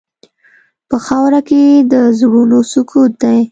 په خاوره کې د زړونو سکوت دی.